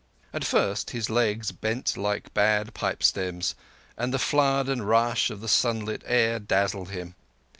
At first his legs bent like bad pipe stems, and the flood and rush of the sunlit air dazzled him.